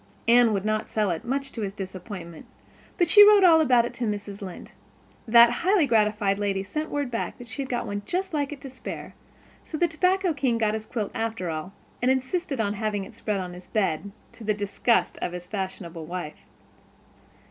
Anne would not sell it, much to his disappointment, but she wrote all about it to Mrs. Lynde. That highly gratified lady sent word back that she had one just like it to spare, so the tobacco king got his quilt after all, and insisted on having it spread on his bed, to the disgust of his fashionable wife.